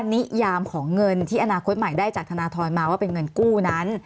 นิยามของเงินที่อนาคตใหม่ได้จากธนทรมาว่าเป็นเงินกู้นั้น